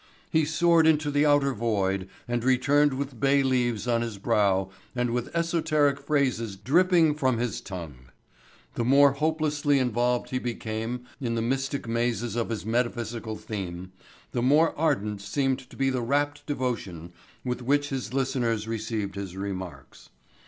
He soared into the outer void and returned with bay leaves on his brow and with esoteric phrases dripping from his tongue. The more hopelessly involved he became in the mystic mazes of his metaphysical theme, the more ardent seemed to be the rapt devotion with which his listeners received his remarks.